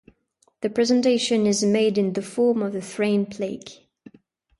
The presentation is made in the form of a framed plaque.